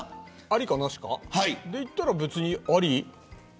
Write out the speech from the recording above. ありかなしかで言ったら別にあり。